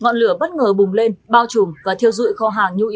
ngọn lửa bất ngờ bùng lên bao trùm và thiêu dụi kho hàng nhu yếu